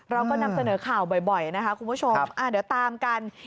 เราก็นำเสนอข่าวบ่อยนะคะคุณผู้ชมเดี๋ยวตามกัน